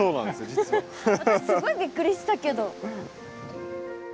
私すごいびっくりしたけど。